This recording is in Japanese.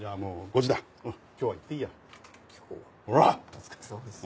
お疲れさまです。